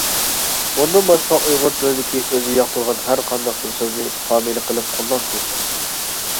بۇندىن باشقا ئۇيغۇر تىلىدىكى ئۆزى ياقتۇرغان ھەرقانداق بىر سۆزنى فامىلە قىلىپ قوللانسىمۇ بولىدۇ.